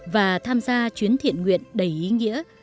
và tham gia chuyến thiện nguyện đầy ý nghĩa